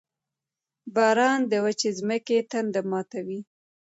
• باران د وچې ځمکې تنده ماتوي.